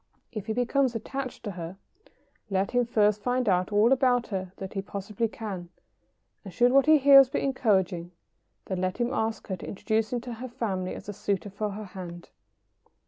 ] If he becomes attached to her, let him first find out all about her that he possibly can, and should what he hears be encouraging, then let him ask her to introduce him to her family as a suitor for her hand.